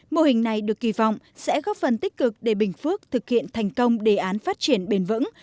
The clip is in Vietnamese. mô hình này được kỳ vọng sẽ góp phần tích cực để bình phước thực hiện thành công đề án phát triển bền vững